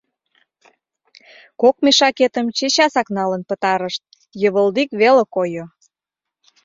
Кок мешакетым чечасак налын пытарышт, йывылдик веле койо.